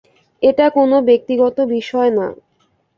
এটা কোন ব্যক্তিগত বিষয় না।